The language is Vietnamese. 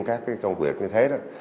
các cái công việc như thế đó